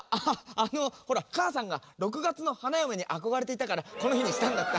あのほらかあさんが６月のはなよめにあこがれていたからこのひにしたんだった。